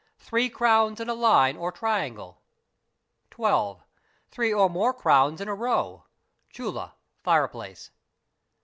Three crowns in a line or triangle. 12. Three or more crowns in a row, (chulla=fireplace).